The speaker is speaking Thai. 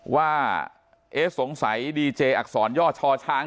ว่าเอ๊ะสงสัยดีเจอักษรย่อชอช้าง